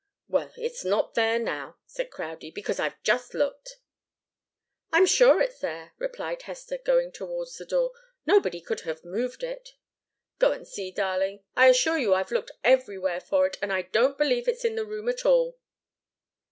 "Well it's not there now," said Crowdie, "because I've just looked." "I'm sure it's there," replied Hester, going towards the door. "Nobody could have moved it." "Go and see, darling I assure you I've looked everywhere for it, and I don't believe it's in the room at all."